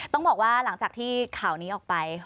ต้องบอกว่าหลังจากที่ข่าวนี้ออกไป